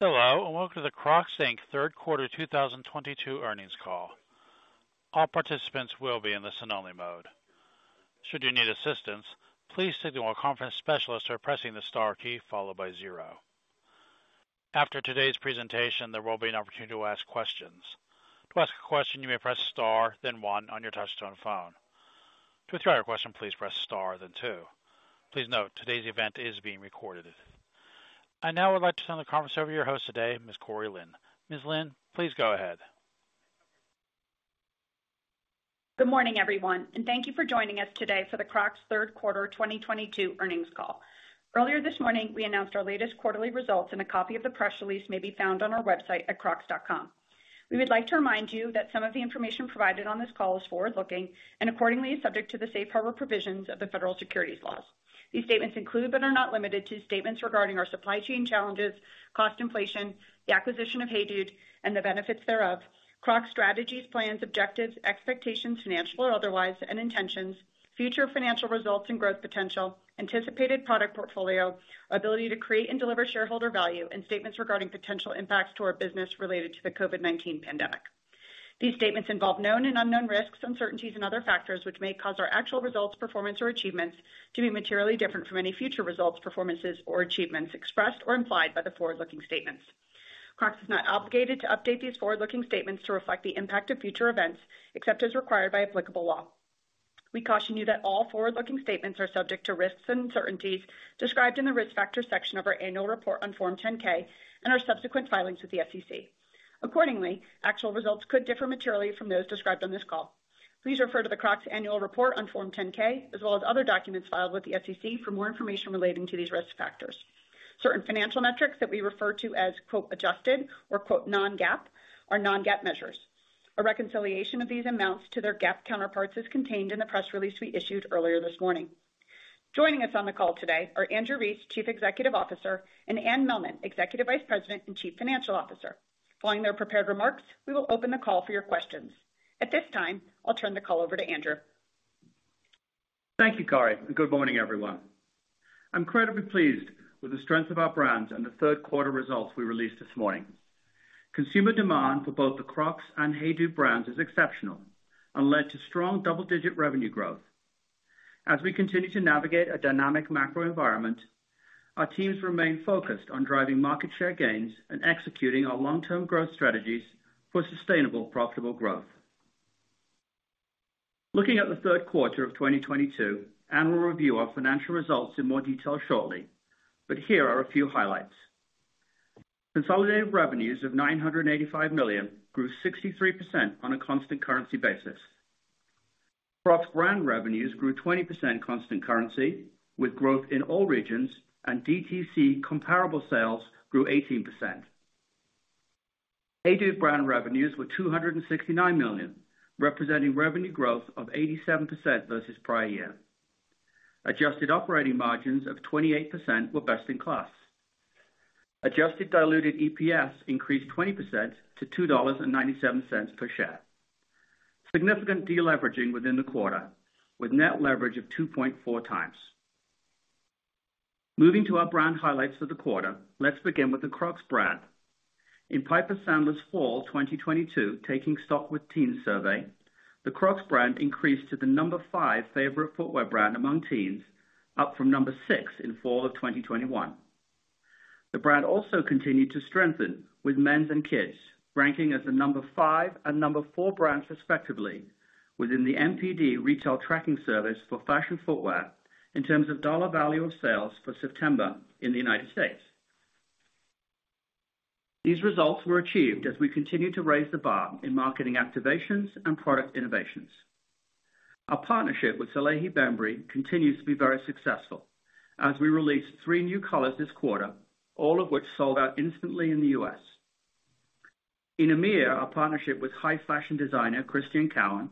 Hello, and welcome to the Crocs, Inc Q3 2022 Earnings Call. All participants will be in the listen-only mode. Should you need assistance, please signal a conference specialist by pressing the star key followed by zero. After today's presentation, there will be an opportunity to ask questions. To ask a question, you may press star then one on your touch-tone phone. To withdraw your question, please press star then two. Please note, today's event is being recorded. I now would like to turn the conference over to your host today, Ms. Cori Lin. Ms. Lin, please go ahead. Good morning, everyone, and thank you for joining us today for the Crocs Q3 2022 Earnings Call. Earlier this morning, we announced our latest quarterly results, and a copy of the press release may be found on our website at crocs.com. We would like to remind you that some of the information provided on this call is forward-looking and accordingly, is subject to the safe harbor provisions of the federal securities laws. These statements include, but are not limited to, statements regarding our supply chain challenges, cost inflation, the acquisition of HEYDUDE and the benefits thereof, Crocs strategies, plans, objectives, expectations, financial or otherwise, and intentions, future financial results and growth potential, anticipated product portfolio, ability to create and deliver shareholder value, and statements regarding potential impacts to our business related to the COVID-19 pandemic. These statements involve known and unknown risks, uncertainties and other factors which may cause our actual results, performance or achievements to be materially different from any future results, performances or achievements expressed or implied by the forward-looking statements. Crocs is not obligated to update these forward-looking statements to reflect the impact of future events, except as required by applicable law. We caution you that all forward-looking statements are subject to risks and uncertainties described in the Risk Factors section of our annual report on Form 10-K and our subsequent filings with the SEC. Accordingly, actual results could differ materially from those described on this call. Please refer to the Crocs annual report on Form 10-K as well as other documents filed with the SEC for more information relating to these risk factors. Certain financial metrics that we refer to as "adjusted" or "non-GAAP" are non-GAAP measures. A reconciliation of these amounts to their GAAP counterparts is contained in the press release we issued earlier this morning. Joining us on the call today are Andrew Rees, Chief Executive Officer, and Anne Mehlman, Executive Vice President and Chief Financial Officer. Following their prepared remarks, we will open the call for your questions. At this time, I'll turn the call over to Andrew. Thank you, Cori, and good morning, everyone. I'm incredibly pleased with the strength of our brands and the Q3 results we released this morning. Consumer demand for both the Crocs and HEYDUDE brands is exceptional and led to strong double-digit revenue growth. As we continue to navigate a dynamic macro environment, our teams remain focused on driving market share gains and executing our long-term growth strategies for sustainable, profitable growth. Looking at the Q3 of 2022, Anne will review our financial results in more detail shortly, but here are a few highlights. Consolidated revenues of $985 million grew 63% on a constant currency basis. Crocs brand revenues grew 20% constant currency with growth in all regions, and DTC comparable sales grew 18%. HEYDUDE brand revenues were $269 million, representing revenue growth of 87% versus prior year. Adjusted operating margins of 28% were best in class. Adjusted diluted EPS increased 20% to $2.97 per share. Significant de-leveraging within the quarter with net leverage of 2.4x. Moving to our brand highlights for the quarter. Let's begin with the Crocs brand. In Piper Sandler's Fall 2022 Taking Stock With Teens survey, the Crocs brand increased to the Number 5 favorite footwear brand among teens, up from Number 6 in Fall of 2021. The brand also continued to strengthen with men's and kids, ranking as the Number 5 and Number 4 brands respectively within the NPD Retail Tracking Service for fashion footwear in terms of dollar value of sales for September in the United States. These results were achieved as we continued to raise the bar in marketing activations and product innovations. Our partnership with Salehe Bembury continues to be very successful as we released three new colors this quarter, all of which sold out instantly in the U.S. In EMEA, our partnership with high fashion designer, Christian Cowan,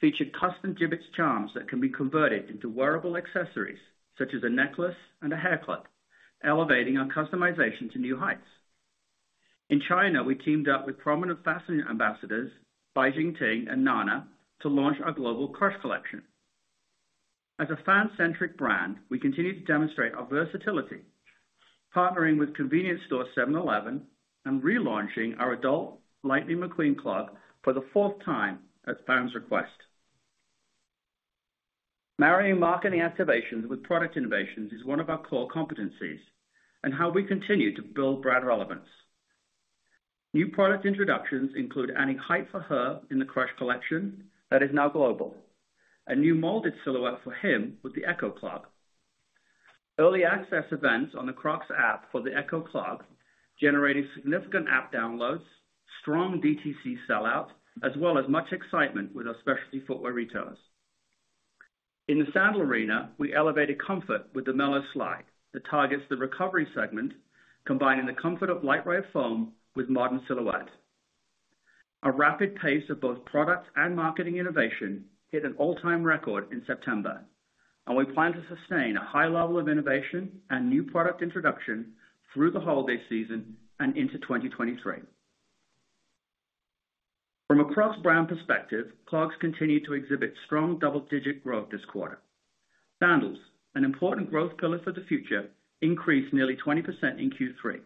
featured custom Jibbitz charms that can be converted into wearable accessories such as a necklace and a hair clip, elevating our customization to new heights. In China, we teamed up with prominent fashion ambassadors Bai Jingting and Nana to launch our global Crush collection. As a fan-centric brand, we continue to demonstrate our versatility, partnering with convenience store 7-Eleven and relaunching our adult Lightning McQueen clog for the fourth time at fans' request. Marrying marketing activations with product innovations is one of our core competencies and how we continue to build brand relevance. New product introductions include adding height for her in the Crush collection that is now global. A new molded silhouette for him with the Echo Clog. Early access events on the Crocs app for the Echo Clog generated significant app downloads, strong DTC sell-out, as well as much excitement with our specialty footwear retailers. In the sandal arena, we elevated comfort with the Mellow Slide that targets the recovery segment, combining the comfort of lightweight foam with modern silhouette. A rapid pace of both products and marketing innovation hit an all-time record in September, and we plan to sustain a high level of innovation and new product introduction through the holiday season and into 2023. From a Crocs brand perspective, Crocs continued to exhibit strong double-digit growth this quarter. Sandals, an important growth pillar for the future, increased nearly 20% in Q3.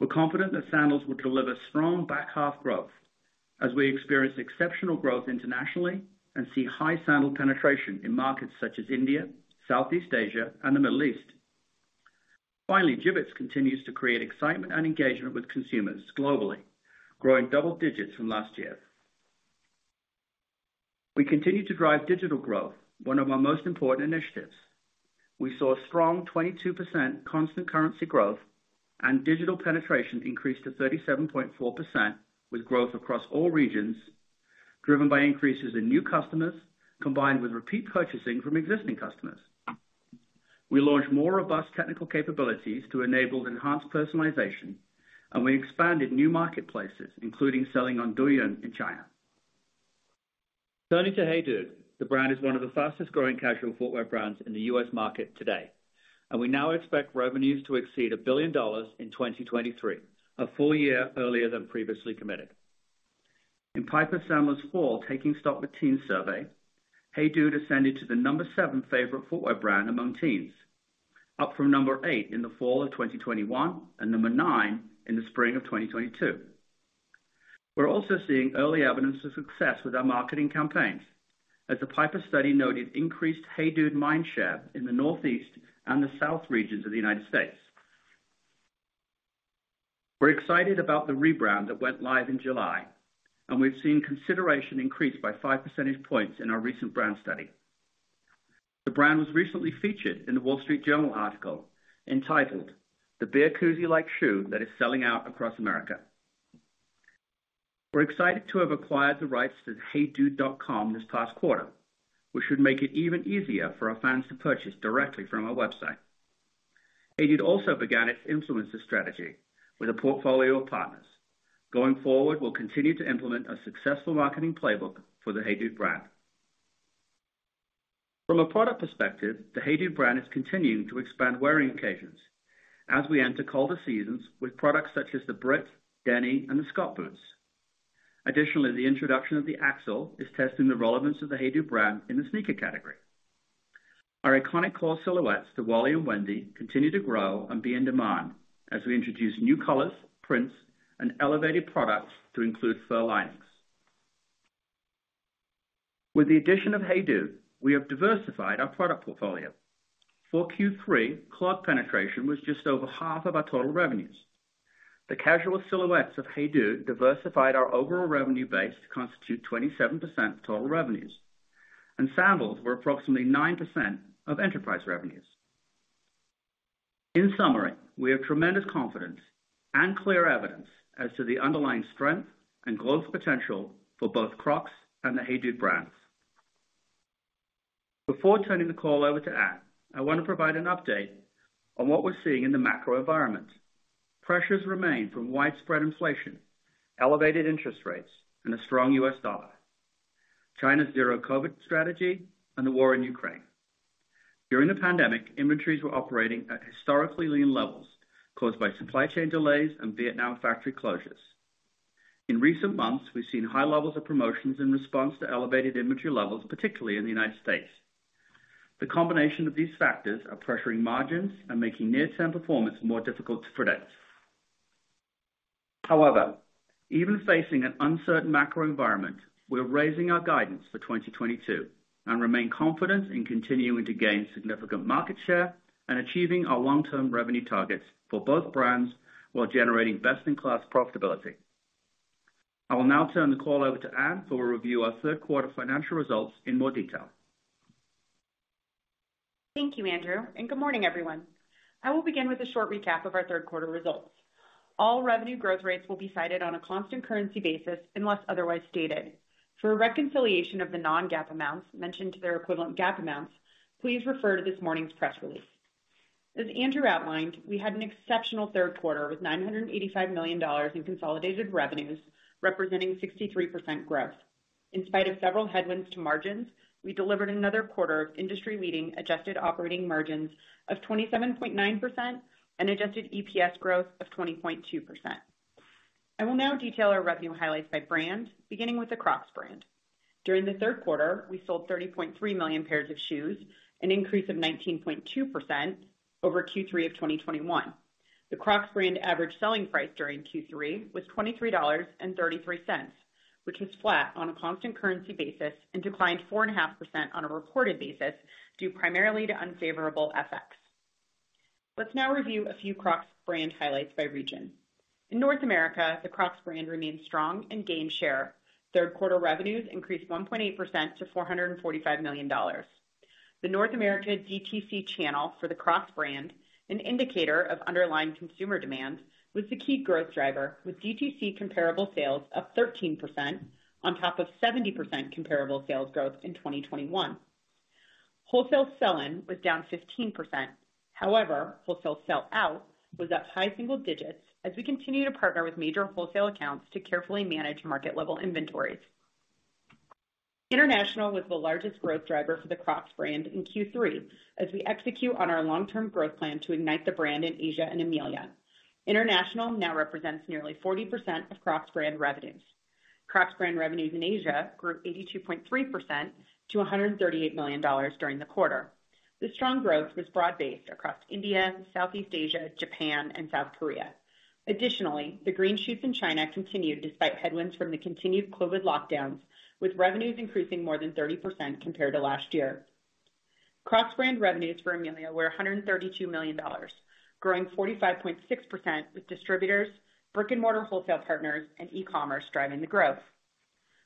We're confident that sandals will deliver strong back half growth as we experience exceptional growth internationally and see high sandal penetration in markets such as India, Southeast Asia, and the Middle East. Finally, Jibbitz continues to create excitement and engagement with consumers globally, growing double digits from last year. We continue to drive digital growth, one of our most important initiatives. We saw a strong 22% constant currency growth and digital penetration increased to 37.4% with growth across all regions, driven by increases in new customers combined with repeat purchasing from existing customers. We launched more robust technical capabilities to enable enhanced personalization, and we expanded new marketplaces, including selling on Douyin in China. Turning to HEYDUDE, the brand is one of the fastest-growing casual footwear brands in the U.S. market today, and we now expect revenues to exceed $1 billion in 2023, a FY earlier than previously committed. In Piper Sandler's Fall Taking Stock With Teens survey, HEYDUDE ascended to the Number 7 favorite footwear brand among teens, up from Number 8 in the Fall of 2021 and Number 9 in the spring of 2022. We're also seeing early evidence of success with our marketing campaigns as the Piper study noted increased HEYDUDE mindshare in the Northeast and the South regions of the United States. We're excited about the rebrand that went live in July, and we've seen consideration increase by 5% points in our recent brand study. The brand was recently featured in The Wall Street Journal article entitled "The Beer Koozie-Like Shoe That Is Selling Out Across America." We're excited to have acquired the rights to heydude.com this past quarter. We should make it even easier for our fans to purchase directly from our website. HEYDUDE also began its influencer strategy with a portfolio of partners. Going forward, we'll continue to implement a successful marketing playbook for the HEYDUDE brand. From a product perspective, the HEYDUDE brand is continuing to expand wearing occasions as we enter colder seasons with products such as the Britt, Denny, and the Scott boots. Additionally, the introduction of the Axel is testing the relevance of the HEYDUDE brand in the sneaker category. Our iconic core silhouettes, the Wally and Wendy, continue to grow and be in demand as we introduce new colors, prints, and elevated products to include fur linings. With the addition of HEYDUDE, we have diversified our product portfolio. For Q3, clog penetration was just over half of our total revenues. The casual silhouettes of HEYDUDE diversified our overall revenue base to constitute 27% of total revenues, and sandals were approximately 9% of enterprise revenues. In summary, we have tremendous confidence and clear evidence as to the underlying strength and growth potential for both Crocs and the HEYDUDE brands. Before turning the call over to Anne, I want to provide an update on what we're seeing in the macro environment. Pressures remain from widespread inflation, elevated interest rates, and a strong U.S. dollar, China's zero-COVID strategy, and the war in Ukraine. During the pandemic, inventories were operating at historically lean levels caused by supply chain delays and Vietnam factory closures. In recent months, we've seen high levels of promotions in response to elevated inventory levels, particularly in the United States. The combination of these factors are pressuring margins and making near-term performance more difficult to predict. However, even facing an uncertain macro environment, we're raising our guidance for 2022 and remain confident in continuing to gain significant market share and achieving our long-term revenue targets for both brands while generating best-in-class profitability. I will now turn the call over to Anne, who will review our Q3 financial results in more detail. Thank you, Andrew, and good morning, everyone. I will begin with a short recap of our Q3 results. All revenue growth rates will be cited on a constant currency basis, unless otherwise stated. For a reconciliation of the non-GAAP amounts mentioned to their equivalent GAAP amounts, please refer to this morning's press release. Andrew outlined, we had an exceptional Q3 with $985 million in consolidated revenues, representing 63% growth. In spite of several headwinds to margins, we delivered another quarter of industry-leading adjusted operating margins of 27.9% and adjusted EPS growth of 20.2%. I will now detail our revenue highlights by brand, beginning with the Crocs brand. During the Q3, we sold 30.3 million pairs of shoes, an increase of 19.2% over Q3 of 2021. The Crocs brand average selling price during Q3 was $23.33, which was flat on a constant currency basis and declined 4.5% on a reported basis, due primarily to unfavorable FX. Let's now review a few Crocs brand highlights by region. In North America, the Crocs brand remained strong and gained share. Q3 revenues increased 1.8% to $445 million. The North America DTC channel for the Crocs brand, an indicator of underlying consumer demand, was the key growth driver with DTC comparable sales up 13% on top of 70% comparable sales growth in 2021. Wholesale sell-in was down 15%. However, wholesale sell-out was up high single digits as we continue to partner with major wholesale accounts to carefully manage market-level inventories. International was the largest growth driver for the Crocs brand in Q3 as we execute on our long-term growth plan to ignite the brand in Asia and EMEALA. International now represents nearly 40% of Crocs brand revenues. Crocs brand revenues in Asia grew 82.3% to $138 million during the quarter. The strong growth was broad-based across India, Southeast Asia, Japan, and South Korea. Additionally, the green shoots in China continued despite headwinds from the continued COVID lockdowns, with revenues increasing more than 30% compared to last year. Crocs brand revenues for EMEA were $132 million, growing 45.6%, with distributors, brick-and-mortar wholesale partners, and e-commerce driving the growth.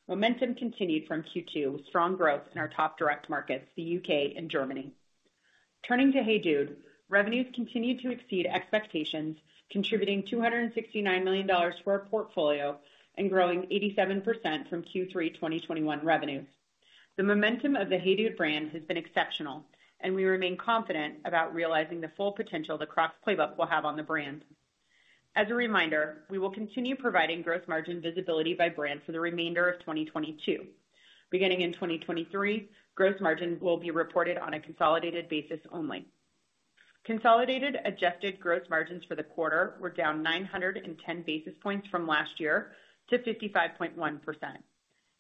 Momentum continued from Q2 with strong growth in our top direct markets, the U.K. and Germany. Turning to HEYDUDE, revenues continued to exceed expectations, contributing $269 million to our portfolio and growing 87% from Q3 2021 revenues. The momentum of the HEYDUDE brand has been exceptional, and we remain confident about realizing the full potential the Crocs playbook will have on the brand. As a reminder, we will continue providing gross margin visibility by brand for the remainder of 2022. Beginning in 2023, gross margin will be reported on a consolidated basis only. Consolidated adjusted gross margins for the quarter were down 910 basis points from last year to 55.1%.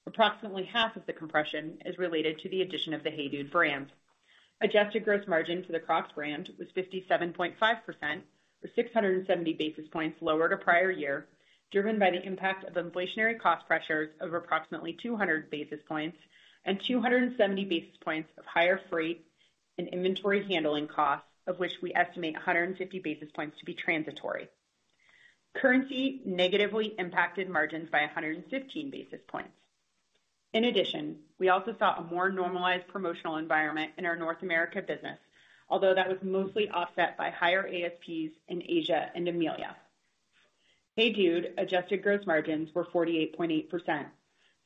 Approximately half of the compression is related to the addition of the HEYDUDE brand. Adjusted gross margin for the Crocs brand was 57.5% or 670 basis points lower to prior year, driven by the impact of inflationary cost pressures of approximately 200 basis points and 270 basis points of higher freight and inventory handling costs, of which we estimate 150 basis points to be transitory. Currency negatively impacted margins by 115 basis points. In addition, we also saw a more normalized promotional environment in our North America business, although that was mostly offset by higher ASPs in Asia and EMEALA. HEYDUDE adjusted gross margins were 48.8%.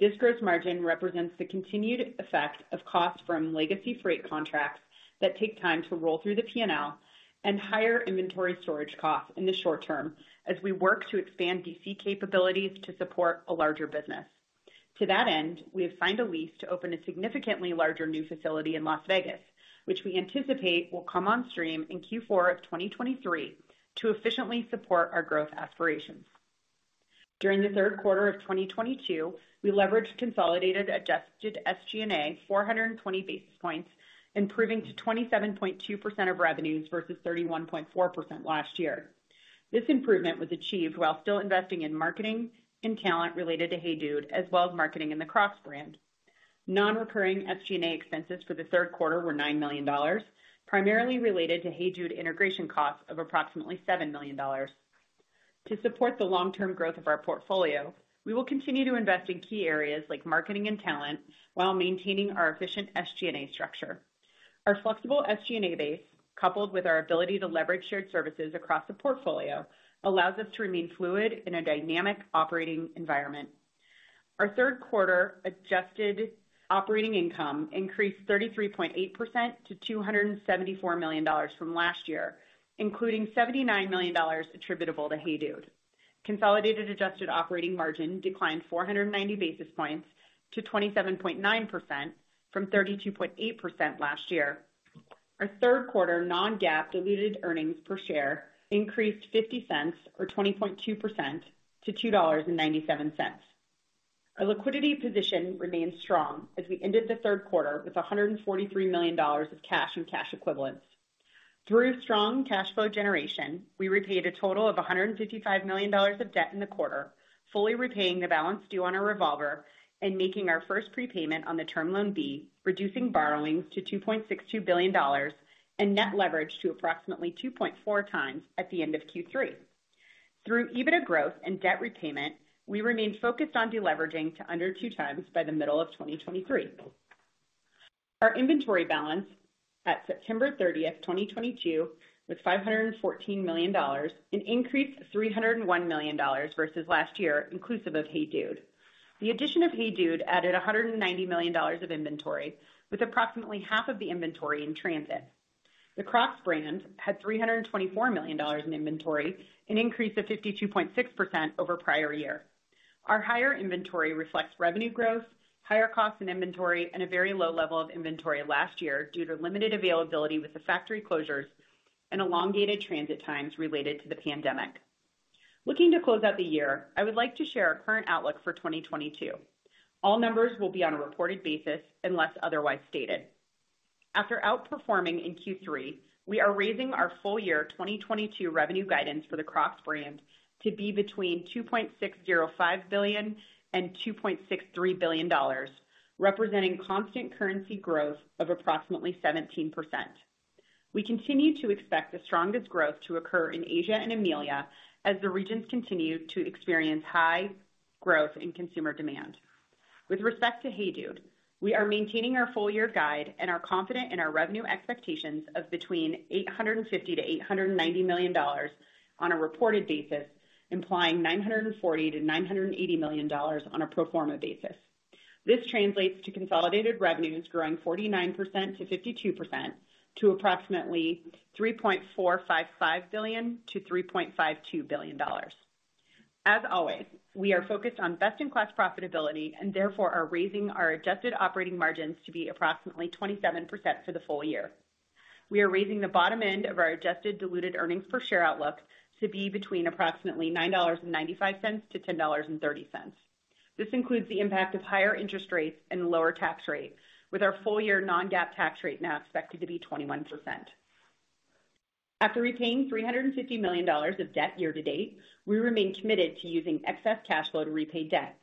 This gross margin represents the continued effect of costs from legacy freight contracts that take time to roll through the P&L and higher inventory storage costs in the short term as we work to expand DC capabilities to support a larger business. To that end, we have signed a lease to open a significantly larger new facility in Las Vegas, which we anticipate will come on stream in Q4 of 2023 to efficiently support our growth aspirations. During the Q3 of 2022, we leveraged consolidated adjusted SG&A 420 basis points, improving to 27.2% of revenues versus 31.4% last year. This improvement was achieved while still investing in marketing and talent related to HEYDUDE, as well as marketing in the Crocs brand. Non-recurring SG&A expenses for the Q3 were $9 million, primarily related to HEYDUDE integration costs of approximately $7 million. To support the long-term growth of our portfolio, we will continue to invest in key areas like marketing and talent while maintaining our efficient SG&A structure. Our flexible SG&A base, coupled with our ability to leverage shared services across the portfolio, allows us to remain fluid in a dynamic operating environment. Our Q3 adjusted operating income increased 33.8% to $274 million from last year, including $79 million attributable to HEYDUDE. Consolidated adjusted operating margin declined 490 basis points to 27.9% from 32.8% last year. Our Q3 non-GAAP diluted earnings per share increased $0.50 or 20.2% to $2.97. Our liquidity position remains strong as we ended the Q3 with $143 million of cash and cash equivalents. Through strong cash flow generation, we repaid a total of $155 million of debt in the quarter, fully repaying the balance due on our revolver and making our first prepayment on the Term Loan B, reducing borrowings to $2.62 billion and net leverage to approximately 2.4 times at the end of Q3. Through EBITDA growth and debt repayment, we remain focused on deleveraging to under two times by the middle of 2023. Our inventory balance at September 30th, 2022, was $514 million, an increase of $301 million versus last year, inclusive of HEYDUDE. The addition of HEYDUDE added $190 million of inventory with approximately half of the inventory in transit. The Crocs brand had $324 million in inventory, an increase of 52.6% over prior year. Our higher inventory reflects revenue growth, higher costs and inventory, and a very low level of inventory last year due to limited availability with the factory closures and elongated transit times related to the pandemic. Looking to close out the year, I would like to share our current outlook for 2022. All numbers will be on a reported basis unless otherwise stated. After outperforming in Q3, we are raising our FY 2022 revenue guidance for the Crocs brand to be between $2.605 billion and $2.63 billion, representing constant currency growth of approximately 17%. We continue to expect the strongest growth to occur in Asia and EMEALA as the regions continue to experience high growth in consumer demand. With respect to HEYDUDE, we are maintaining our FY guide and are confident in our revenue expectations of between $850-$890 million on a reported basis, implying $940-$980 million on a pro forma basis. This translates to consolidated revenues growing 49%-52% to approximately $3.455-$3.52 billion. We are focused on best-in-class profitability and therefore are raising our adjusted operating margins to be approximately 27% for the FY. We are raising the bottom end of our adjusted diluted earnings per share outlook to be between approximately $9.95-$10.30. This includes the impact of higher interest rates and lower tax rates, with our full-year non-GAAP tax rate now expected to be 21%. After repaying $350 million of debt year-to-date, we remain committed to using excess cash flow to repay debt.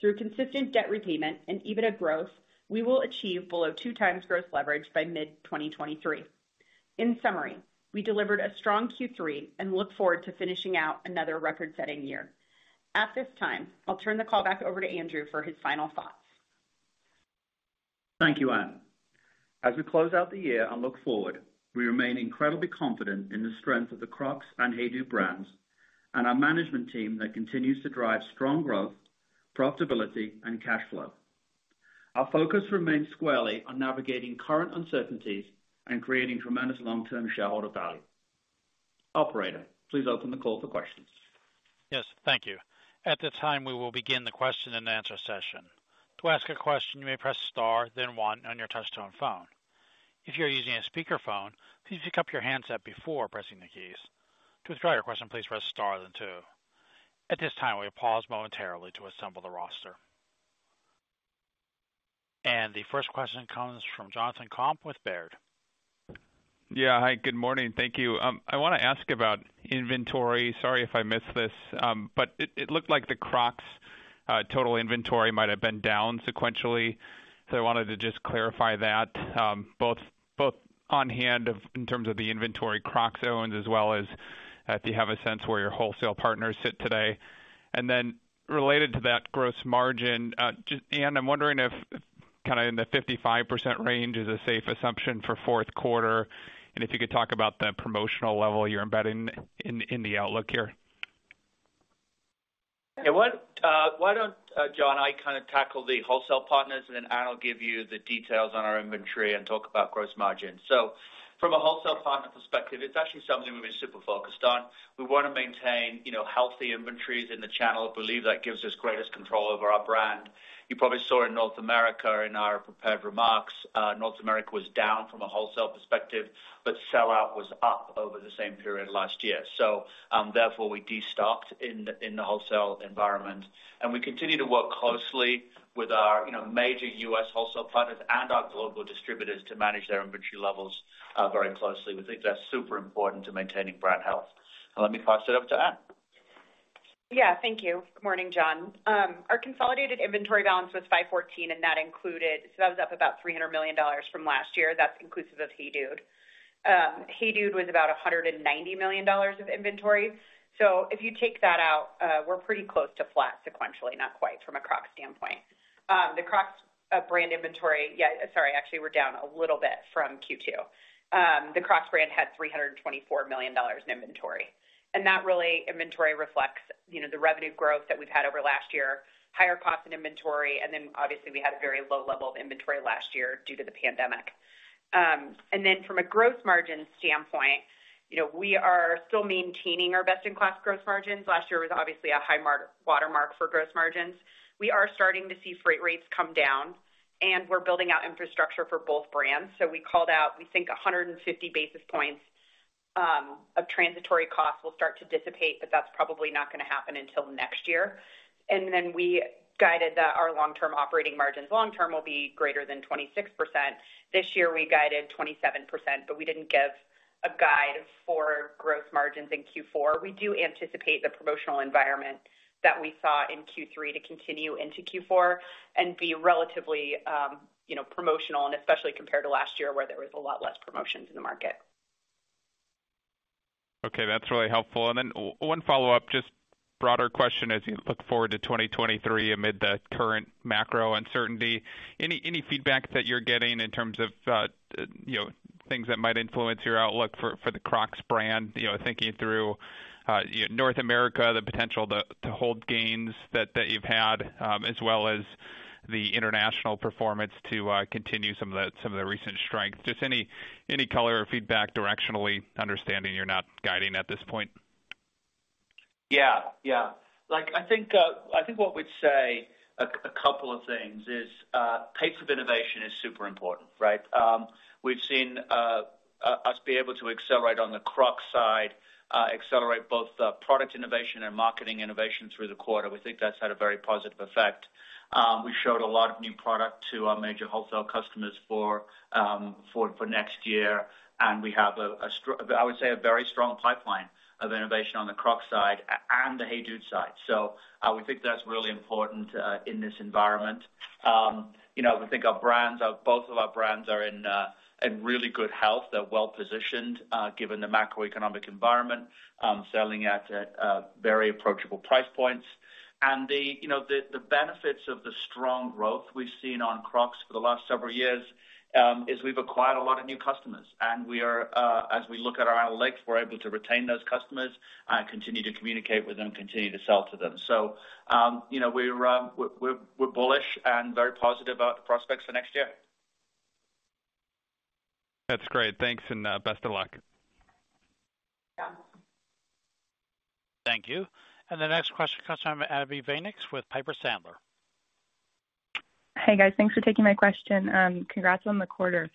Through consistent debt repayment and EBITDA growth, we will achieve below 2x gross leverage by mid-2023. In summary, we delivered a strong Q3 and look forward to finishing out another record-setting year. At this time, I'll turn the call back over to Andrew for his final thoughts. Thank you, Anne. As we close out the year and look forward, we remain incredibly confident in the strength of the Crocs and HEYDUDE brands and our management team that continues to drive strong growth, profitability, and cash flow. Our focus remains squarely on navigating current uncertainties and creating tremendous long-term shareholder value. Operator, please open the call for questions. Yes. Thank you. At this time, we will begin the question-and-answer session. To ask a question, you may press star then one on your touchtone phone. If you're using a speakerphone, please pick up your handset before pressing the keys. To withdraw your question, please press star then two. At this time, we pause momentarily to assemble the roster. The first question comes from Jonathan Komp with Baird. Yeah. Hi, good morning. Thank you. I wanna ask about inventory. Sorry if I missed this, but it looked like the Crocs total inventory might have been down sequentially. I wanted to just clarify that, both on hand and in terms of the inventory Crocs owns, as well as if you have a sense where your wholesale partners sit today. Related to that gross margin, Anne, I'm wondering if kinda in the 55% range is a safe assumption for Q4 and if you could talk about the promotional level you're embedding in the outlook here. Yeah. Why don't, Jon, I kinda tackle the wholesale partners, and then Anne will give you the details on our inventory and talk about gross margin. From a wholesale partner perspective, it's actually something we've been super focused on. We wanna maintain, you know, healthy inventories in the channel. Believe that gives us greatest control over our brand. You probably saw in North America in our prepared remarks, North America was down from a wholesale perspective, but sellout was up over the same period last year. Therefore, we de-stocked in the wholesale environment, and we continue to work closely with our, you know, major U.S. wholesale partners and our global distributors to manage their inventory levels very closely. We think that's super important to maintaining brand health. Let me pass it up to Anne. Yeah. Thank you. Good morning, John. Our consolidated inventory balance was $514 million, and that was up about $300 million from last year. That's inclusive of HEYDUDE. HEYDUDE was about $190 million of inventory. So if you take that out, we're pretty close to flat sequentially, not quite from a Crocs standpoint. Actually, we're down a little bit from Q2. The Crocs brand had $324 million in inventory. That inventory really reflects, you know, the revenue growth that we've had over last year, higher cost in inventory, and then obviously, we had a very low level of inventory last year due to the pandemic. From a gross margin standpoint, you know, we are still maintaining our best-in-class gross margins. Last year was obviously a high watermark for growth margins. We are starting to see freight rates come down, and we're building out infrastructure for both brands. We called out, we think 150 basis points of transitory costs will start to dissipate, but that's probably not gonna happen until next year. We guided that our long-term operating margins will be greater than 26%. This year, we guided 27%, but we didn't give a guide for growth margins in Q4. We do anticipate the promotional environment that we saw in Q3 to continue into Q4 and be relatively, you know, promotional and especially compared to last year where there was a lot less promotions in the market. Okay, that's really helpful. One follow-up, just broader question as you look forward to 2023 amid the current macro uncertainty. Any feedback that you're getting in terms of things that might influence your outlook for the Crocs brand? Thinking through North America, the potential to hold gains that you've had, as well as the international performance to continue some of the recent strength. Just any color or feedback directionally, understanding you're not guiding at this point. Yeah. Yeah. Like, I think what we'd say a couple of things is pace of innovation is super important, right? We've seen us be able to accelerate on the Crocs side, accelerate both the product innovation and marketing innovation through the quarter. We think that's had a very positive effect. We showed a lot of new product to our major wholesale customers for next year, and we have, I would say, a very strong pipeline of innovation on the Crocs side and the HEYDUDE side. We think that's really important in this environment. You know, we think both of our brands are in really good health. They're well-positioned given the macroeconomic environment, selling at very approachable price points. You know, the benefits of the strong growth we've seen on Crocs for the last several years is we've acquired a lot of new customers, and we are, as we look at our outlook, we're able to retain those customers and continue to communicate with them, continue to sell to them. You know, we're bullish and very positive about the prospects for next year. That's great. Thanks and best of luck. Thank you. The next question comes from Abbie Zvejnieks with Piper Sandler. Hey, guys. Thanks for taking my question. Congrats on the quarter.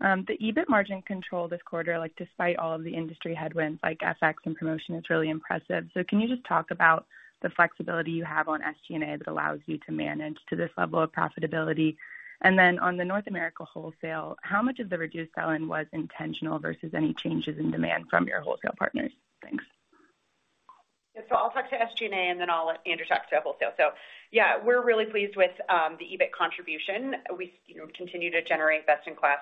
The EBIT margin control this quarter, like, despite all of the industry headwinds like FX and promotion, it's really impressive. Can you just talk about the flexibility you have on SG&A that allows you to manage to this level of profitability? On the North America wholesale, how much of the reduced selling was intentional versus any changes in demand from your wholesale partners? Thanks. I'll talk to SG&A, and then I'll let Andrew talk to wholesale. Yeah, we're really pleased with the EBIT contribution. We, you know, continue to generate best-in-class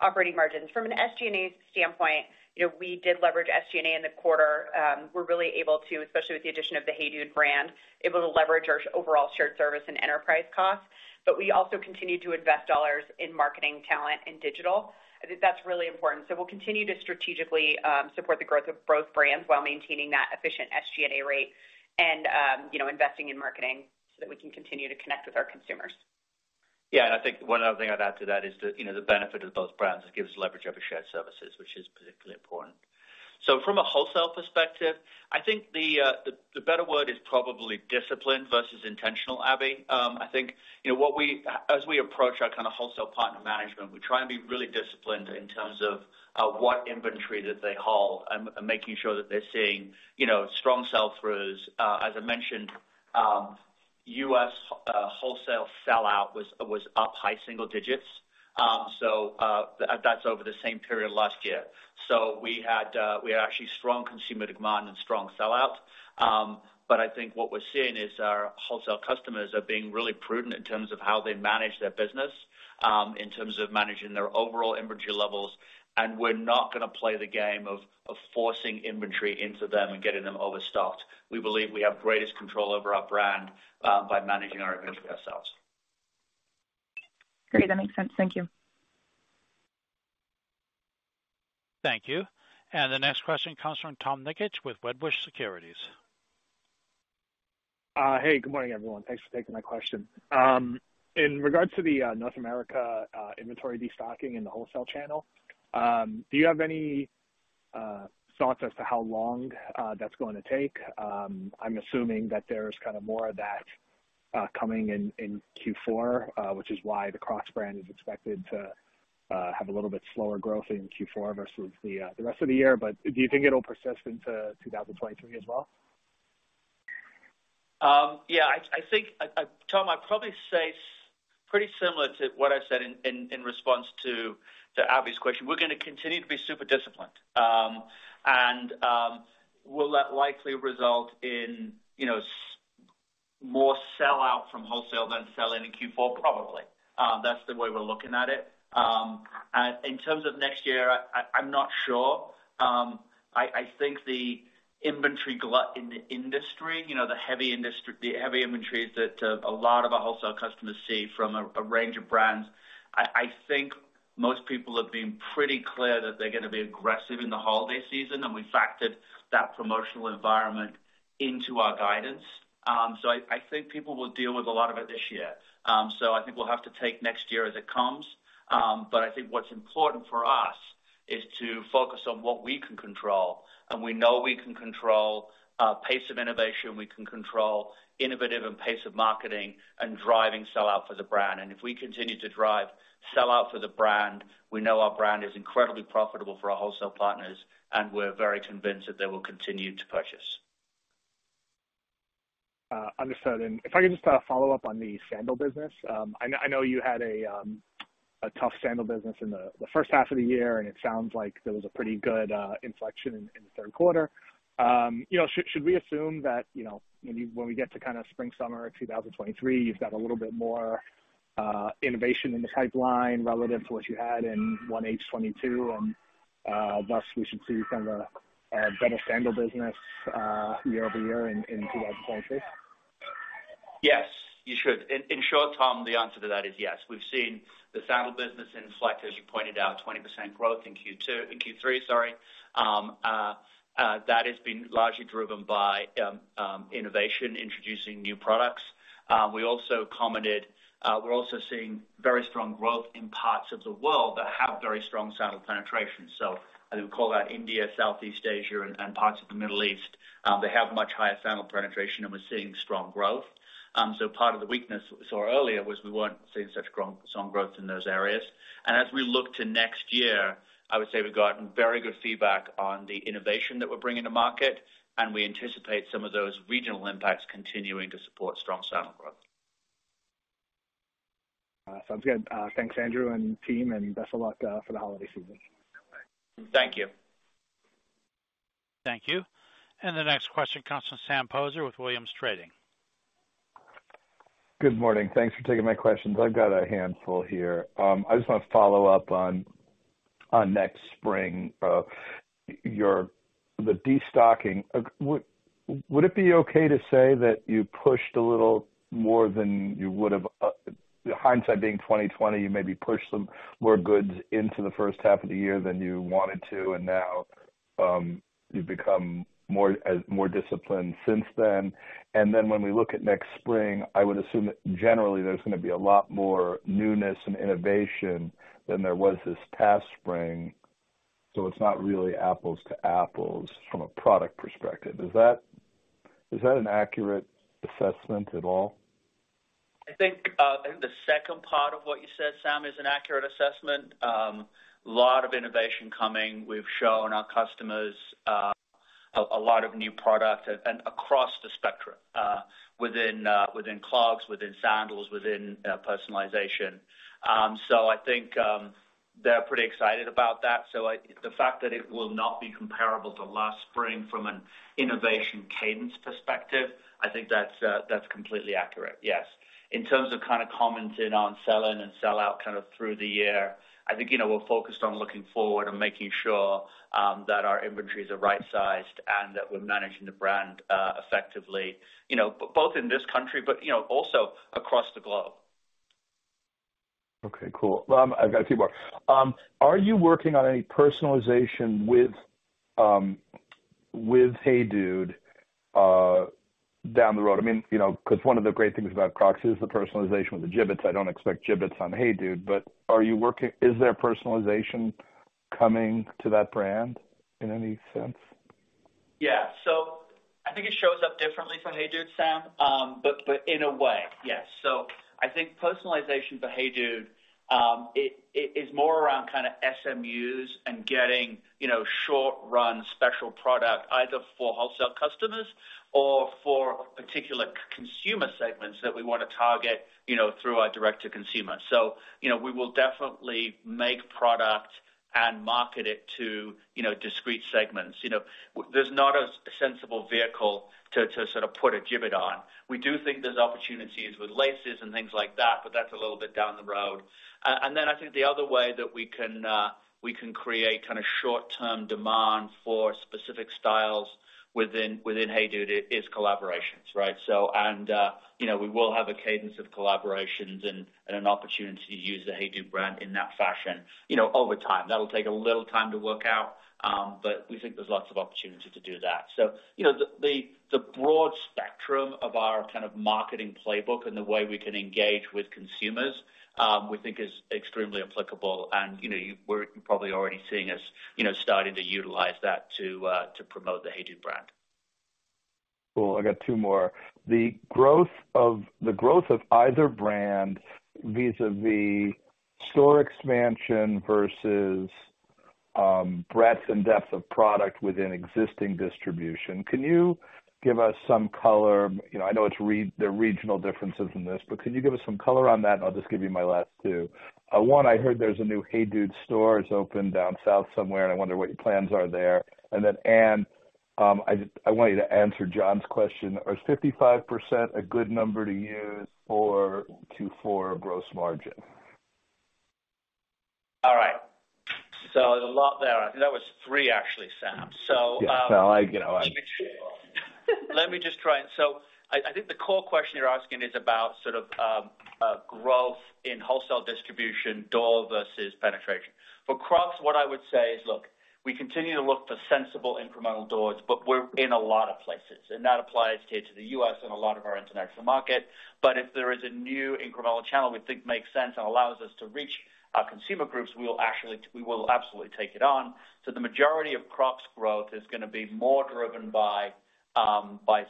operating margins. From an SG&A standpoint, you know, we did leverage SG&A in the quarter. We're really able to, especially with the addition of the HEYDUDE brand, able to leverage our overall shared service and enterprise costs. We also continue to invest dollars in marketing talent and digital. I think that's really important. We'll continue to strategically support the growth of both brands while maintaining that efficient SG&A rate and, you know, investing in marketing so that we can continue to connect with our consumers. Yeah. I think one other thing I'd add to that is the, you know, the benefit of both brands. It gives leverage over shared services, which is particularly important. From a wholesale perspective, I think the better word is probably disciplined versus intentional, Abbie. I think, you know, as we approach our kinda wholesale partner management, we try and be really disciplined in terms of what inventory that they hold and making sure that they're seeing, you know, strong sell-throughs. As I mentioned, U.S. wholesale sell-out was up high single digits. That's over the same period last year. We had actually strong consumer demand and strong sell-out. I think what we're seeing is our wholesale customers are being really prudent in terms of how they manage their business, in terms of managing their overall inventory levels. We're not gonna play the game of forcing inventory into them and getting them overstocked. We believe we have greatest control over our brand by managing our inventory ourselves. Great. That makes sense. Thank you. Thank you. The next question comes from Tom Nikic with Wedbush Securities. Hey, good morning, everyone. Thanks for taking my question. In regards to the North America inventory destocking in the wholesale channel, do you have any thoughts as to how long that's going to take? I'm assuming that there's kind of more of that coming in in Q4, which is why the Crocs brand is expected to have a little bit slower growth in Q4 versus the rest of the year. Do you think it'll persist into 2023 as well? Yeah. I think Tom, I'd probably say pretty similar to what I said in response to Abbie's question. We're gonna continue to be super disciplined. Will that likely result in, you know, more sell-out from wholesale than sell in in Q4? Probably. That's the way we're looking at it. In terms of next year, I'm not sure. I think the inventory glut in the industry, you know, the heavy inventories that a lot of our wholesale customers see from a range of brands, I think most people have been pretty clear that they're gonna be aggressive in the holiday season, and we factored that promotional environment into our guidance. I think people will deal with a lot of it this year. I think we'll have to take next year as it comes. I think what's important for us is to focus on what we can control, and we know we can control pace of innovation. We can control innovation and pace of marketing and driving sell-out for the brand. If we continue to drive sell-out for the brand, we know our brand is incredibly profitable for our wholesale partners, and we're very convinced that they will continue to purchase. Understood. If I could just follow up on the sandal business. I know you had a tough sandal business in the H1 of the year, and it sounds like there was a pretty good inflection in the Q3. You know, should we assume that, you know, when we get to kinda spring/summer of 2023, you've got a little bit more innovation in the pipeline relative to what you had in 1H 2022, and thus we should see kind of a better sandal business year-over-year in 2023? Yes, you should. In short, Tom, the answer to that is yes. We've seen the sandal business inflect, as you pointed out, 20% growth in Q3, sorry. That has been largely driven by innovation, introducing new products. We're also seeing very strong growth in parts of the world that have very strong sandal penetration. I would call out India, Southeast Asia, and parts of the Middle East. They have much higher sandal penetration, and we're seeing strong growth. Part of the weakness we saw earlier was we weren't seeing such strong growth in those areas. As we look to next year, I would say we've gotten very good feedback on the innovation that we're bringing to market, and we anticipate some of those regional impacts continuing to support strong sandal growth. Sounds good. Thanks, Andrew and team, and best of luck for the holiday season. Thank you. Thank you. The next question comes from Sam Poser with Williams Trading. Good morning. Thanks for taking my questions. I've got a handful here. I just wanna follow up on next spring. The destocking. Would it be okay to say that you pushed a little more than you would've, hindsight being 20/20, you maybe pushed some more goods into the first half of the year than you wanted to, and now you've become more disciplined since then. When we look at next spring, I would assume that generally there's gonna be a lot more newness and innovation than there was this past spring. It's not really apples to apples from a product perspective. Is that an accurate assessment at all? I think the second part of what you said, Sam, is an accurate assessment. A lot of innovation coming. We've shown our customers a lot of new product and across the spectrum within clogs, within sandals, within personalization. I think they're pretty excited about that. The fact that it will not be comparable to last spring from an innovation cadence perspective, I think that's completely accurate, yes. In terms of kind of commenting on sell-in and sell-out kind of through the year, I think you know, we're focused on looking forward and making sure that our inventories are right-sized and that we're managing the brand effectively, you know, both in this country, but you know, also across the globe. Okay, cool. I've got a few more. Are you working on any personalization with HEYDUDE down the road? I mean, you know, 'cause one of the great things about Crocs is the personalization with the Jibbitz. I don't expect Jibbitz on HEYDUDE, but is there personalization coming to that brand in any sense? Yeah. I think it shows up differently for HEYDUDE, Sam, but in a way, yes. I think personalization for HEYDUDE, it is more around kind of SMUs and getting, you know, short-run special product either for wholesale customers or for particular consumer segments that we wanna target, you know, through our direct-to-consumer. You know, we will definitely make product and market it to, you know, discrete segments. You know, there's not a sensible vehicle to sort of put a Jibbit on. We do think there's opportunities with laces and things like that, but that's a little bit down the road. I think the other way that we can create kind of short-term demand for specific styles within HEYDUDE is collaborations, right? You know, we will have a cadence of collaborations and an opportunity to use the HEYDUDE brand in that fashion, you know, over time. That'll take a little time to work out, but we think there's lots of opportunity to do that. You know, the broad spectrum of our kind of marketing playbook and the way we can engage with consumers, we think is extremely applicable. You know, we're probably already seeing us, you know, starting to utilize that to promote the HEYDUDE brand. Cool. I got two more. The growth of either brand vis-à-vis store expansion versus breadth and depth of product within existing distribution, can you give us some color? You know, I know there are regional differences in this, but can you give us some color on that? I'll just give you my last two. One, I heard there's a new HEYDUDE store has opened down south somewhere, and I wonder what your plans are there. Then, Anne, I want you to answer Jon's question. Is 55% a good number to use for Q4 gross margin? All right. There's a lot there. That was three, actually, Sam. Yeah. No, I get how it is. I think the core question you're asking is about sort of growth in wholesale distribution, door versus penetration. For Crocs, what I would say is, look, we continue to look for sensible incremental doors, but we're in a lot of places, and that applies to the U.S. and a lot of our international market. If there is a new incremental channel we think makes sense and allows us to reach our consumer groups, we will absolutely take it on. The majority of Crocs' growth is gonna be more driven by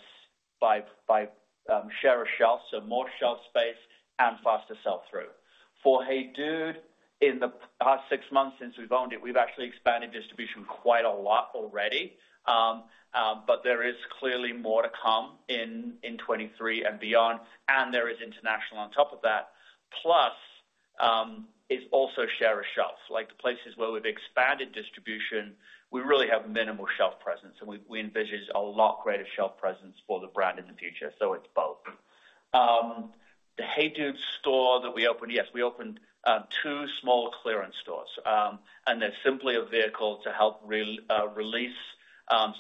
share of shelf, so more shelf space and faster sell-through. For HEYDUDE, in the past six months since we've owned it, we've actually expanded distribution quite a lot already. There is clearly more to come in 2023 and beyond, and there is international on top of that. Plus, it's also share of shelf. Like, the places where we've expanded distribution, we really have minimal shelf presence, and we envision a lot greater shelf presence for the brand in the future. It's both. The HEYDUDE store that we opened, we opened two small clearance stores, and they're simply a vehicle to help release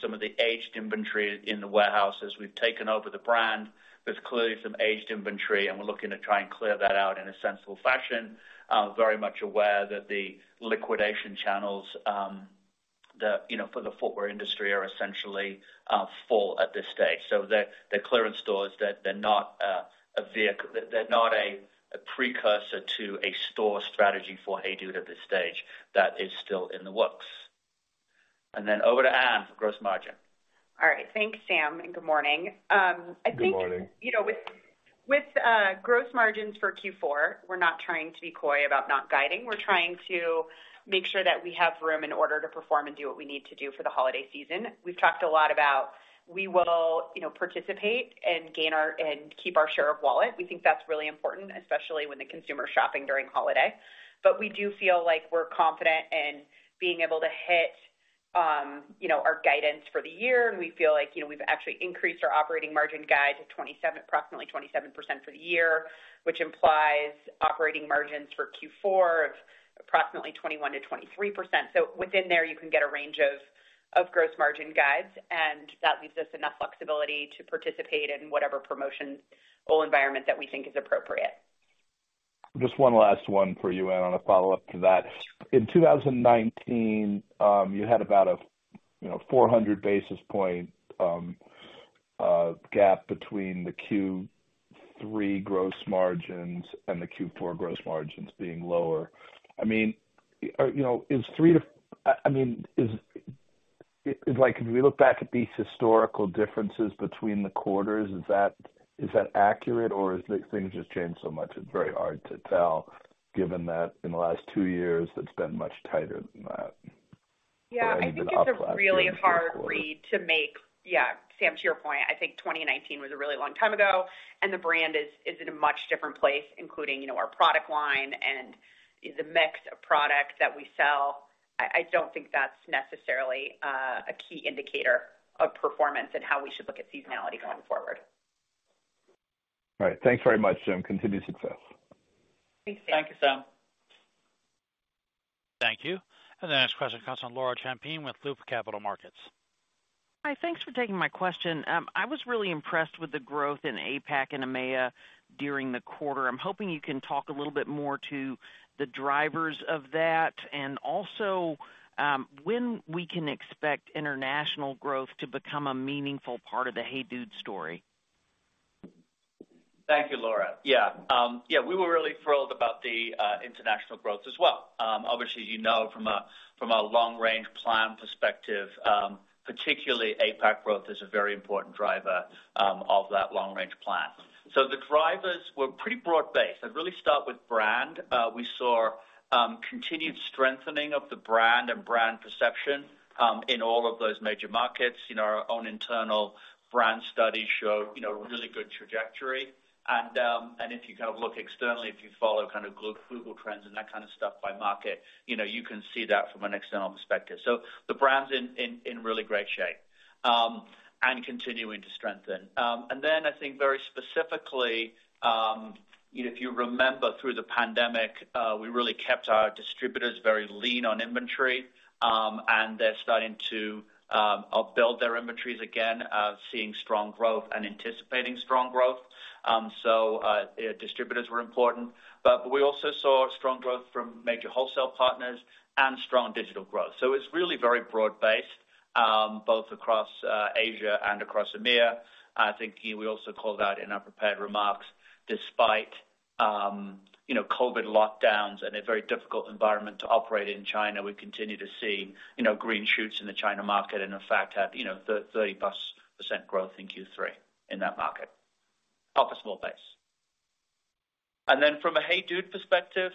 some of the aged inventory in the warehouse. As we've taken over the brand, there's clearly some aged inventory, and we're looking to try and clear that out in a sensible fashion. Very much aware that the liquidation channels, you know, for the footwear industry are essentially full at this stage. The clearance stores, they're not a precursor to a store strategy for HEYDUDE at this stage. That is still in the works. Then over to Anne for gross margin. All right. Thanks, Sam, and good morning. I think. Good morning. You know, with gross margins for Q4, we're not trying to be coy about not guiding. We're trying to make sure that we have room in order to perform and do what we need to do for the holiday season. We've talked a lot about we will, you know, participate and keep our share of wallet. We think that's really important, especially when the consumer's shopping during holiday. We do feel like we're confident in being able to hit, you know, our guidance for the year, and we feel like, you know, we've actually increased our operating margin guide to approximately 27% for the year, which implies operating margins for Q4 of approximately 21%-23%. Within there, you can get a range of gross margin guides, and that leaves us enough flexibility to participate in whatever promotional environment that we think is appropriate. Just one last one for you, Anne, on a follow-up to that. In 2019, you had about a, you know, 400 basis points gap between the Q3 gross margins and the Q4 gross margins being lower. I mean, you know, is it like if we look back at these historical differences between the quarters, is that accurate? Or is it things just change so much, it's very hard to tell, given that in the last two years, it's been much tighter than that? Yeah. I think it's a really hard read to make. Yeah. Sam, to your point, I think 2019 was a really long time ago, and the brand is in a much different place, including, you know, our product line and the mix of products that we sell. I don't think that's necessarily a key indicator of performance and how we should look at seasonality going forward. All right. Thanks very much and continued success. Thanks, Sam. Thank you, Sam. Thank you. The next question comes from Laura Champine with Loop Capital Markets. Hi. Thanks for taking my question. I was really impressed with the growth in APAC and EMEA during the quarter. I'm hoping you can talk a little bit more to the drivers of that, and also, when we can expect international growth to become a meaningful part of the HEYDUDE story. Thank you, Laura. Yeah. Yeah, we were really thrilled about the international growth as well. Obviously, as you know from a long-range plan perspective, particularly APAC growth is a very important driver of that long-range plan. The drivers were pretty broad-based. I'd really start with brand. We saw continued strengthening of the brand and brand perception in all of those major markets. You know, our own internal brand studies show you know, really good trajectory. If you kind of look externally, if you follow kind of Google Trends and that kind of stuff by market, you know, you can see that from an external perspective. The brand's in really great shape and continuing to strengthen. I think very specifically, you know, if you remember through the pandemic, we really kept our distributors very lean on inventory, and they're starting to build up their inventories again, seeing strong growth and anticipating strong growth. Distributors were important. We also saw strong growth from major wholesale partners and strong digital growth. It's really very broad-based, both across Asia and across EMEA. I think we also called out in our prepared remarks, despite, you know, COVID lockdowns and a very difficult environment to operate in China, we continue to see, you know, green shoots in the China market, and in fact have, you know, 30%+ growth in Q3 in that market. Off a small base. From a HEYDUDE perspective,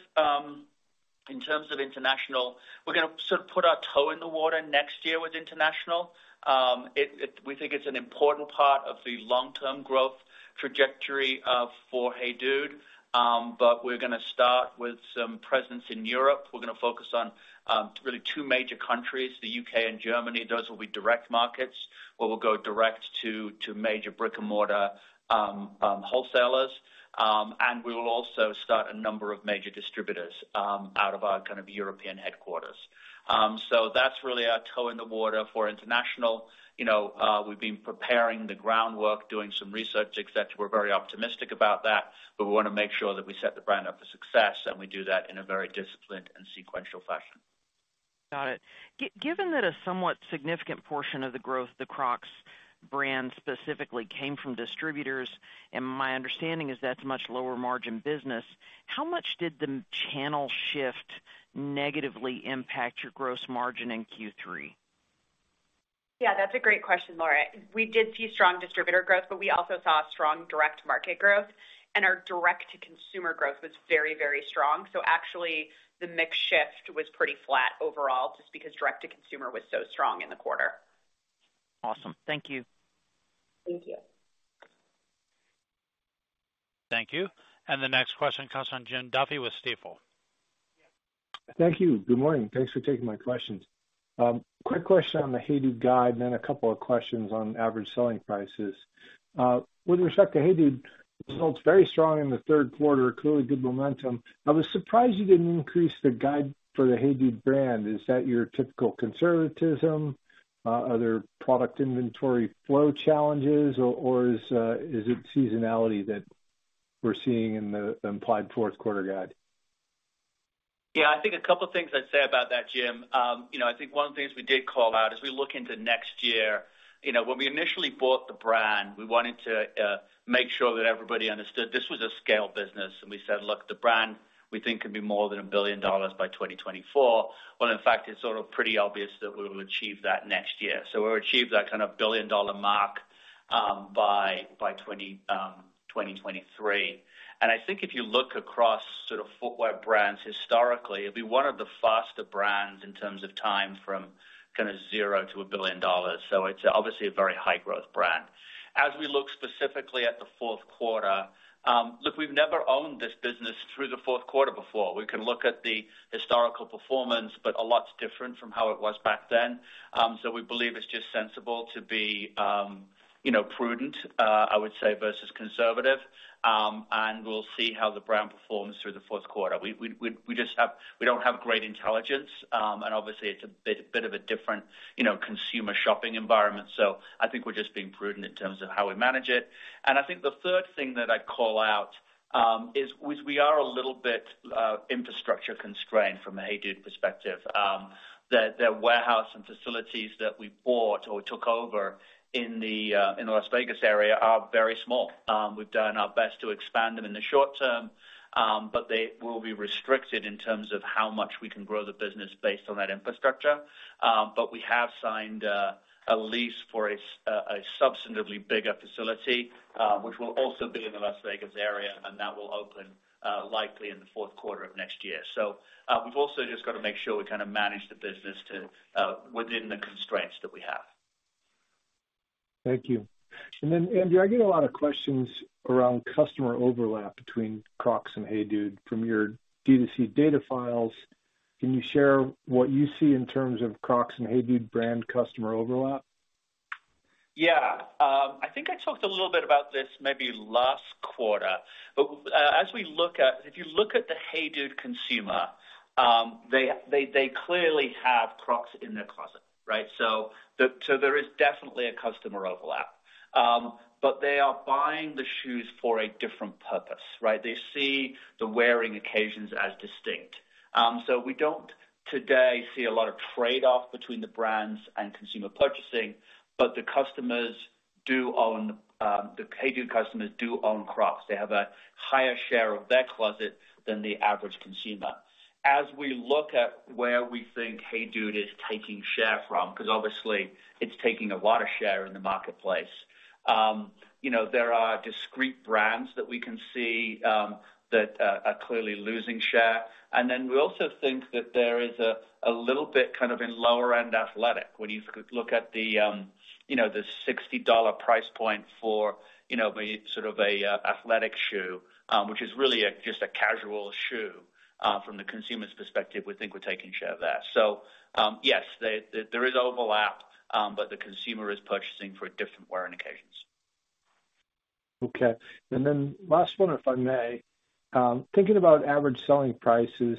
in terms of international, we're gonna sort of put our toe in the water next year with international. We think it's an important part of the long-term growth trajectory for HEYDUDE. We're gonna start with some presence in Europe. We're gonna focus on really two major countries, the U.K. and Germany. Those will be direct markets, where we'll go direct to major brick-and-mortar wholesalers. We will also start a number of major distributors out of our kind of European headquarters. That's really our toe in the water for international. We've been preparing the groundwork, doing some research, et cetera. We're very optimistic about that, but we wanna make sure that we set the brand up for success, and we do that in a very disciplined and sequential fashion. Got it. Given that a somewhat significant portion of the growth of the Crocs brand specifically came from distributors, and my understanding is that's much lower margin business, how much did the channel shift negatively impact your gross margin in Q3? Yeah, that's a great question, Laura. We did see strong distributor growth, but we also saw strong direct market growth, and our direct-to-consumer growth was very, very strong. Actually, the mix shift was pretty flat overall, just because direct-to-consumer was so strong in the quarter. Awesome. Thank you. Thank you. Thank you. The next question comes from Jim Duffy with Stifel. Thank you. Good morning. Thanks for taking my questions. Quick question on the HEYDUDE guide, and then a couple of questions on average selling prices. With respect to HEYDUDE, results very strong in the Q3. Clearly good momentum. I was surprised you didn't increase the guide for the HEYDUDE brand. Is that your typical conservatism? Are there product inventory flow challenges? Or is it seasonality that we're seeing in the implied Q4 guide? Yeah. I think a couple things I'd say about that, Jim. You know, I think one of the things we did call out as we look into next year, you know, when we initially bought the brand, we wanted to make sure that everybody understood this was a scale business and we said, "Look, the brand we think could be more than $1 billion by 2024." Well, in fact, it's sort of pretty obvious that we will achieve that next year. We'll achieve that kind of billion-dollar mark by 2023. I think if you look across sort of footwear brands, historically, it'd be one of the faster brands in terms of time from kinda zero to $1 billion. It's obviously a very high-growth brand. As we look specifically at the Q4, we've never owned this business through the Q4 before. We can look at the historical performance, but a lot's different from how it was back then. We believe it's just sensible to be, you know, prudent, I would say, versus conservative. We'll see how the brand performs through the Q4. We don't have great intelligence. Obviously it's a bit of a different, you know, consumer shopping environment. I think we're just being prudent in terms of how we manage it. I think the third thing that I'd call out is we are a little bit infrastructure constrained from a HEYDUDE perspective. The warehouse and facilities that we bought or took over in the Las Vegas area are very small. We've done our best to expand them in the short term, but they will be restricted in terms of how much we can grow the business based on that infrastructure. We have signed a lease for a substantively bigger facility, which will also be in the Las Vegas area, and that will open likely in the Q4 of next year. We've also just gotta make sure we kinda manage the business to within the constraints that we have. Thank you. Andrew, I get a lot of questions around customer overlap between Crocs and HEYDUDE. From your D2C data files, can you share what you see in terms of Crocs and HEYDUDE brand customer overlap? Yeah. I think I talked a little bit about this maybe last quarter. If you look at the HEYDUDE consumer, they clearly have Crocs in their closet, right? There is definitely a customer overlap. They are buying the shoes for a different purpose, right? They see the wearing occasions as distinct. We don't today see a lot of trade-off between the brands and consumer purchasing, but the HEYDUDE customers do own Crocs. They have a higher share of their closet than the average consumer. As we look at where we think HEYDUDE is taking share from, 'cause obviously it's taking a lot of share in the marketplace, you know, there are discrete brands that we can see that are clearly losing share. We also think that there is a little bit kind of in lower end athletic. When you look at the $60 price point for a sort of athletic shoe, which is really just a casual shoe from the consumer's perspective, we think we're taking share of that. Yes, there is overlap, but the consumer is purchasing for different wearing occasions. Okay. Last one, if I may. Thinking about average selling prices,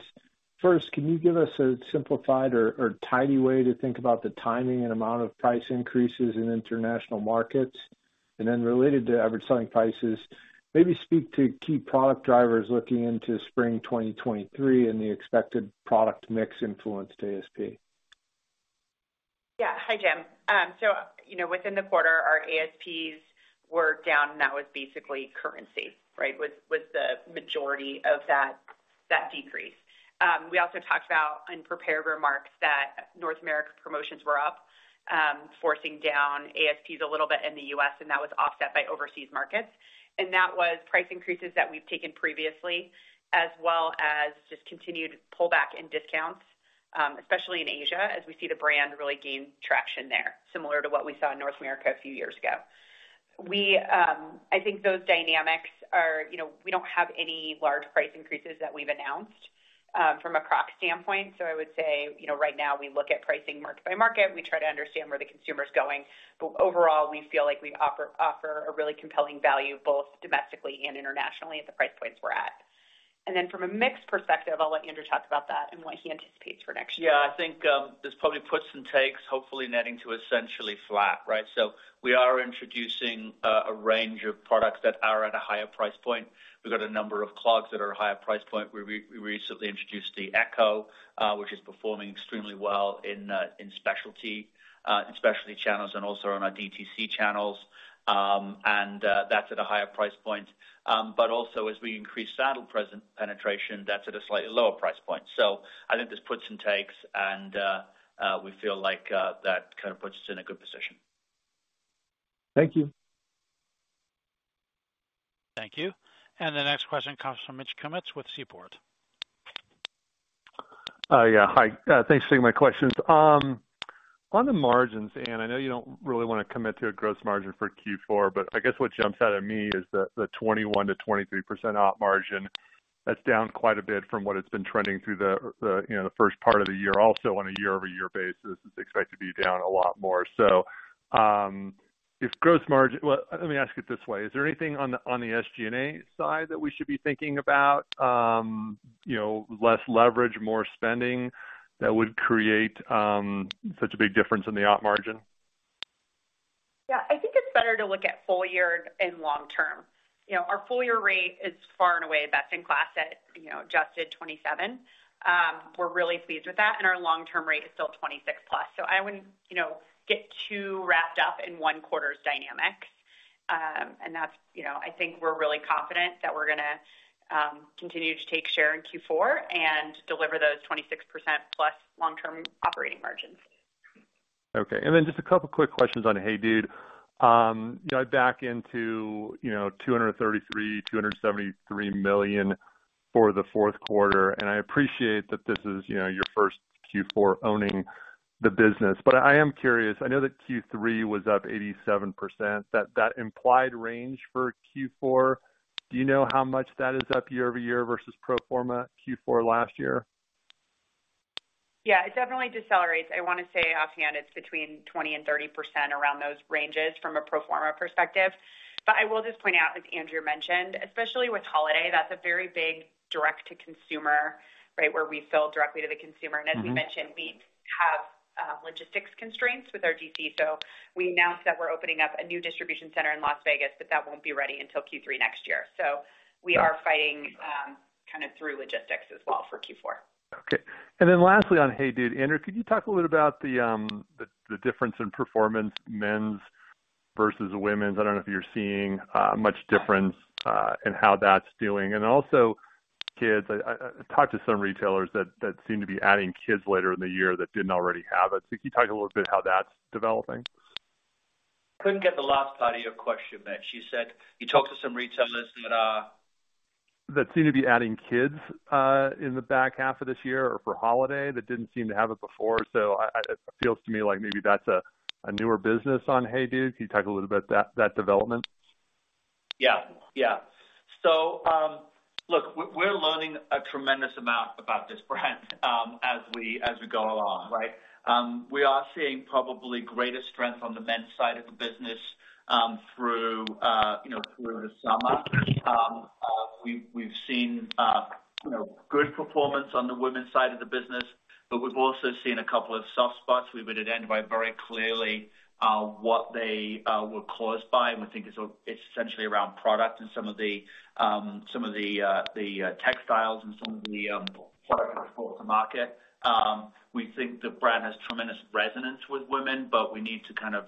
first, can you give us a simplified or tidy way to think about the timing and amount of price increases in international markets? Related to average selling prices, maybe speak to key product drivers looking into spring 2023 and the expected product mix influence to ASP. Yeah. Hi, Jim. So, you know, within the quarter, our ASPs were down, and that was basically currency, right? That was the majority of that decrease. We also talked about in prepared remarks that North America promotions were up, forcing down ASPs a little bit in the U.S., and that was offset by overseas markets. That was price increases that we've taken previously, as well as just continued pullback in discounts, especially in Asia, as we see the brand really gain traction there, similar to what we saw in North America a few years ago. I think those dynamics are, you know, we don't have any large price increases that we've announced, from a Crocs standpoint. I would say, you know, right now we look at pricing market by market. We try to understand where the consumer's going. Overall, we feel like we offer a really compelling value both domestically and internationally at the price points we're at. Then from a mix perspective, I'll let Andrew talk about that and what he anticipates for next year. Yeah. I think there's probably puts and takes, hopefully netting to essentially flat, right? We are introducing a range of products that are at a higher price point. We've got a number of clogs that are at a higher price point. We recently introduced the Echo, which is performing extremely well in specialty channels and also on our DTC channels. That's at a higher price point. Also as we increase sandal penetration, that's at a slightly lower price point. I think there's puts and takes, and we feel like that kind of puts us in a good position. Thank you. Thank you. The next question comes from Mitch Kummetz with Seaport. Thanks for taking my questions. On the margins, Anne, I know you don't really wanna commit to a gross margin for Q4, but I guess what jumps out at me is the 21%-23% op margin. That's down quite a bit from what it's been trending through the, you know, the first part of the year. Also on a year-over-year basis, it's expected to be down a lot more. If gross margin—well, let me ask it this way. Is there anything on the SG&A side that we should be thinking about? You know, less leverage, more spending that would create such a big difference in the op margin? Yeah. I think it's better to look at FY and long term. You know, our FY rate is far and away best in class at, you know, adjusted 27%. We're really pleased with that, and our long-term rate is still 26% plus. I wouldn't, you know, get too wrapped up in one quarter's dynamics. That's, you know, I think we're really confident that we're gonna continue to take share in Q4 and deliver those 26% plus long-term operating margins. Okay. Just a couple of quick questions on HEYDUDE. You know, I back into $233-$273 million for the Q4, and I appreciate that this is your first Q4 owning the business. I am curious. I know that Q3 was up 87%. That implied range for Q4, do you know how much that is up year over year versus pro forma Q4 last year? Yeah, it definitely decelerates. I wanna say offhand, it's between 20% and 30% around those ranges from a pro forma perspective. I will just point out, as Andrew mentioned, especially with holiday, that's a very big direct to consumer, right, where we sell directly to the consumer. Mm-hmm. As we mentioned, we have logistics constraints with our DC. We announced that we're opening up a new distribution center in Las Vegas, but that won't be ready until Q3 next year. We are fighting kinda through logistics as well for Q4. Okay. Lastly, on HEYDUDE. Andrew, could you talk a little bit about the difference in performance, men's versus women's? I don't know if you're seeing much difference, and how that's doing. Also kids. I talked to some retailers that seem to be adding kids later in the year that didn't already have it. Can you talk a little bit how that's developing? Couldn't get the last part of your question, Mitch. You said you talked to some retailers that are. That seem to be adding kids in the back half of this year or for holiday that didn't seem to have it before. It feels to me like maybe that's a newer business on HEYDUDE. Can you talk a little bit about that development? Look, we're learning a tremendous amount about this brand as we go along, right? We are seeing probably greater strength on the men's side of the business through you know through the summer. We've seen you know good performance on the women's side of the business, but we've also seen a couple of soft spots. We've identified very clearly what they were caused by, and we think it's essentially around product and some of the textiles and some of the products brought to market. We think the brand has tremendous resonance with women, but we need to kind of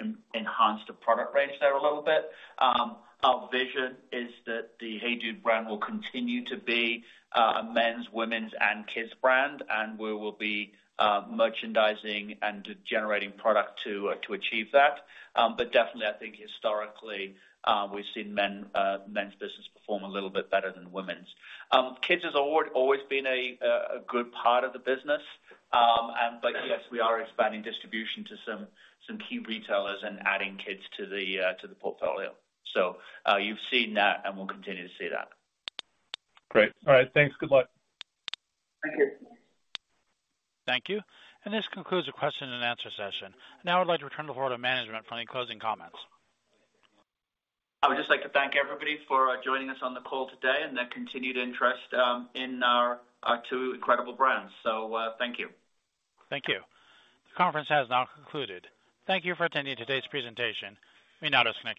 enhance the product range there a little bit. Our vision is that the HEYDUDE brand will continue to be a men's, women's, and kids brand, and we will be merchandising and generating product to achieve that. Definitely, I think historically, we've seen men's business perform a little bit better than women's. Kids has always been a good part of the business. Yes, we are expanding distribution to some key retailers and adding kids to the portfolio. You've seen that and will continue to see that. Great. All right, thanks. Good luck. Thank you. Thank you. This concludes the question and answer session. Now I'd like to return the floor to Management for any closing comments. I would just like to thank everybody for joining us on the call today and their continued interest in our two incredible brands. Thank you. Thank you. The conference has now concluded. Thank you for attending today's presentation. You may now disconnect.